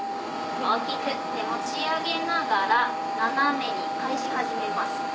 大きく持ち上げながら斜めに返し始めます。